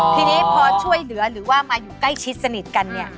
ทีนี้พอช่วยเหลือหรือว่ามาอยู่ใกล้ชิดสนิทกันเนี่ย